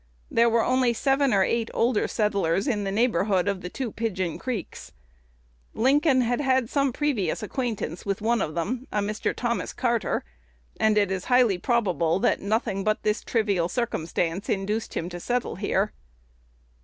There were only seven or eight older settlers in the neighborhood of the two Pigeon Creeks. Lincoln had had some previous acquaintance with one of them, a Mr. Thomas Carter; and it is highly probable that nothing but this trivial circumstance induced him to settle here.